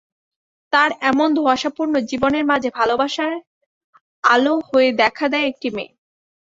তার এমন ধোঁয়াশাপূর্ণ জীবনের মাঝে ভালোবাসার আলো হয়ে দেখা দেয় একটি মেয়ে।